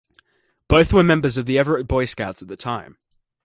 Both were members of the Everett Boy Scouts at the time.